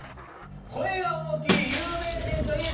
声が大きい有名人といえば。